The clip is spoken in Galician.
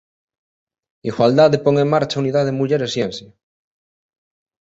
Igualdade pon en marcha a Unidade Muller e Ciencia